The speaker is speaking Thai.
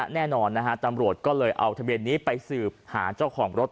แน่นอนนะฮะตำรวจก็เลยเอาทะเบียนนี้ไปสืบหาเจ้าของรถ